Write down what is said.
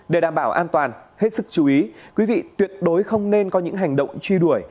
để đảm bảo an toàn hết sức chú ý quý vị tuyệt đối không nên có những hành động truy đuổi